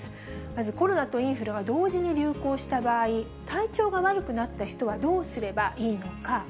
まずコロナとインフルが同時に流行した場合、体調が悪くなった人はどうすればいいのか。